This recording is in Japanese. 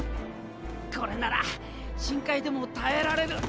これなら深海でも耐えられる！